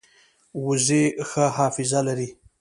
وزې ښه حافظه لري